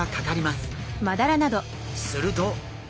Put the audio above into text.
すると。